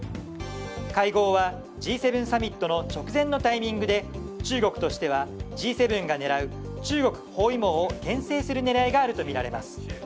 会合はＧ７サミットの直前のタイミングで中国としてはＧ７が狙う中国包囲網を牽制する狙いがあるとみられます。